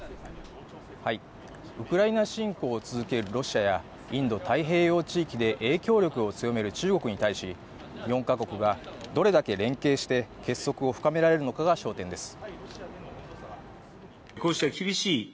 ウクライナ侵攻を続けるロシアやインド太平洋地域で影響力を強める中国に対し４か国がどれだけ連携して結束を深められるのかが焦点です